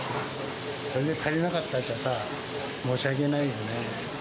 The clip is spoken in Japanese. それで足りなかったじゃさ、申し訳ないよね。